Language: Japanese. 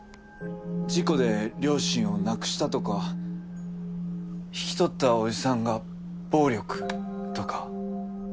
事故で両親を亡くしたとか引き取った叔父さんが暴力とか。